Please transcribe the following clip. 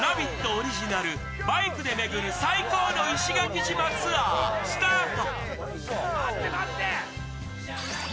オリジナルバイクで巡る最高の石垣島ツアー、スタート。